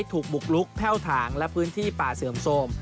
ถูกบุกลุกแพ่วถางและพื้นที่ป่าเสื่อมโทรม